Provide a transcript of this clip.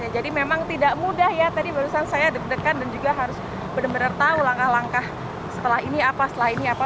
jadi memang tidak mudah ya tadi barusan saya deg degan dan juga harus benar benar tahu langkah langkah setelah ini apa setelah ini apa